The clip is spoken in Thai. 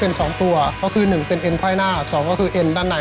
เพราะว่าเราไม่ได้ใช้งานมันน่ะ